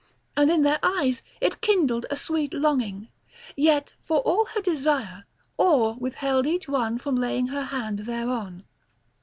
And in their eyes it kindled a sweet longing; yet for all her desire, awe withheld each one from laying her hand thereon.